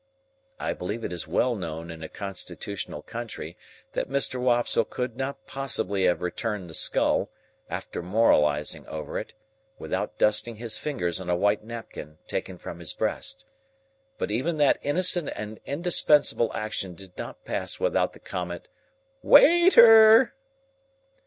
I believe it is well known in a constitutional country that Mr. Wopsle could not possibly have returned the skull, after moralizing over it, without dusting his fingers on a white napkin taken from his breast; but even that innocent and indispensable action did not pass without the comment, "Wai ter!"